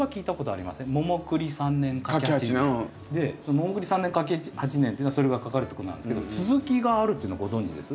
桃栗三年柿八年っていうのはそれぐらいかかるっていうことなんですけど続きがあるっていうのご存じです？